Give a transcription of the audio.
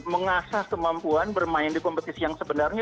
mengasah kemampuan bermain di kompetisi yang sebenarnya